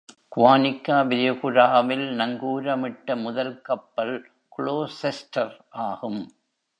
குவானிக்கா விரிகுடாவில் நங்கூரமிட்ட முதல் கப்பல் "க்ளோசெஸ்டர்" ஆகும்.